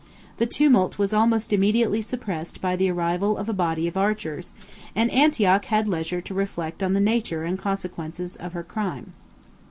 The tumult was almost immediately suppressed by the arrival of a body of archers: and Antioch had leisure to reflect on the nature and consequences of her crime.